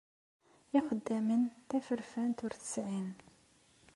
Ixeddamen taferfant ur tt-sεin.